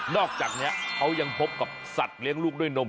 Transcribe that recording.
อกจากนี้เขายังพบกับสัตว์เลี้ยงลูกด้วยนม